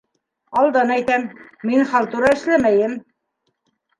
Алдан әйтәм, мин халтура эшләмәйем.